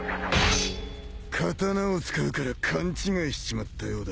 刀を使うから勘違いしちまったようだ。